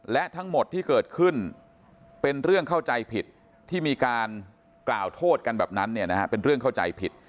และทั้งหมดที่เกิดขึ้นเป็นเรื่องเข้าใจผิดที่มีการกล่าวโทษกันแบบนั้นเป็นเรื่องเข้าใจผิด